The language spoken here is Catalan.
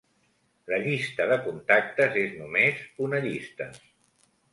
La llista de contactes és només una llista.